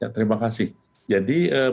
jadi berdasarkan pengalaman saya